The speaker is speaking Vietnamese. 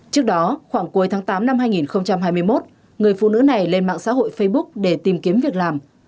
trước đó khoảng cuối tháng tám năm hai nghìn hai mươi một người phụ nữ này lên mạng xã hội facebook để tìm kiếm việc làm